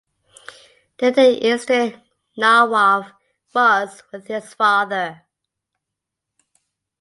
During the incident Nawwaf was with his father.